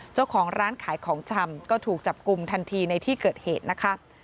เจ้าของร้านขายของชำก็ถูกจับกลุ่มทันทีในที่เกิดเหตุนะคะ